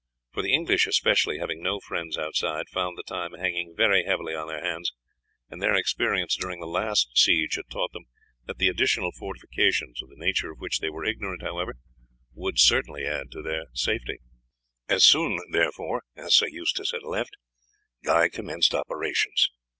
For the English especially, having no friends outside, found the time hang very heavy on their hands, and their experience during the last siege had taught them that the additional fortifications, of the nature of which they were ignorant, however, would add to their safety. As soon, therefore, as Sir Eustace had left, Guy commenced operations.